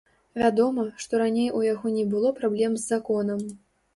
Вядома, што раней у яго не было праблем з законам.